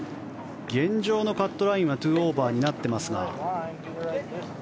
現状のカットラインは２オーバーになってますが。